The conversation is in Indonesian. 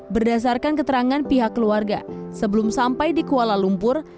berdasarkan keterangan pihak keluarga sebelum sampai di kuala lumpur